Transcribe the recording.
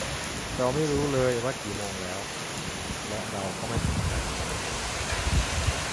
เราไม่รู้เลยว่ากี่โมงแล้ว และเราก็ไม่สนใจด้วย